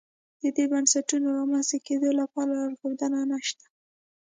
د دې بنسټونو رامنځته کېدو لپاره لارښود نه شته.